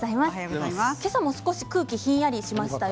今朝も少し空気がひんやりしました。